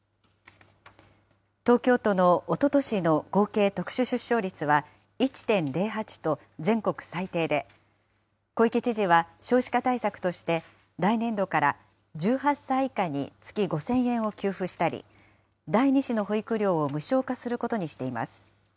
東京都のおととしの合計特殊出生率は１．０８と全国最低で、小池知事は少子化対策として来年度から１８歳以下に月５０００円を給付したり、第２子の保育料を無償化することにしています。